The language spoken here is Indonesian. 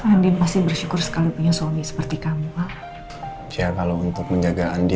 andi pasti bersyukur sekali punya suami seperti kamu ya kalau untuk menjaga andi